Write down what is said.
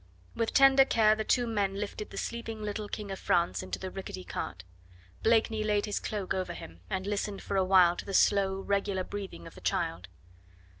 With tender care the two men lifted the sleeping little King of France into the rickety cart. Blakeney laid his cloak over him, and listened for awhile to the slow regular breathing of the child.